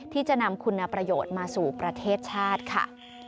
ที่จะนำคุณประโยชน์มาสู่ประเทศชาติค่ะ